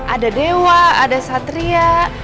ada dewa ada satria